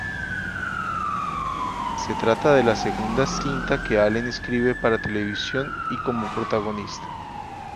Se trata de la segunda cinta que Allen escribe para televisión y como protagonista.